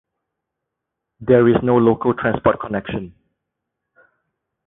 There is no local transport connection.